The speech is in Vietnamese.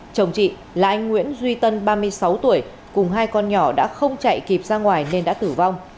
chồng chị là anh nguyễn duy tân ba mươi sáu tuổi cùng hai con nhỏ đã không chạy kịp ra ngoài nên đã tử vong